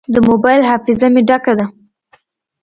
د موبایل حافظه مې ډکه ده.